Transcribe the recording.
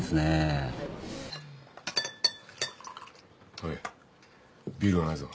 おいビールがないぞ。